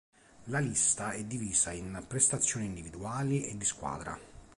La lista è divisa in prestazioni individuali e di squadra.